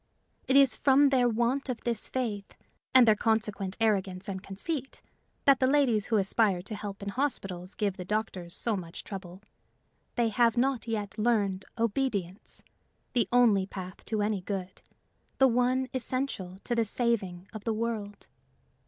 It is from their want of this faith, and their consequent arrogance and conceit, that the ladies who aspire to help in hospitals give the doctors so much trouble: they have not yet learned obedience, the only path to any good, the one essential to the saving of the world.